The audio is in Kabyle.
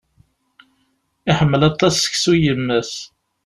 Iḥemmel aṭas seksu n yemma-s.